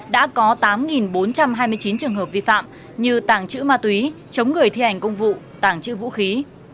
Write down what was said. đã có tám bốn trăm hai mươi chín trường hợp vi phạm như tàng trữ ma túy chống người thi hành công vụ tàng trữ vũ khí